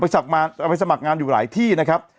เอาไปสมัครงานอยู่หลายที่นะครับ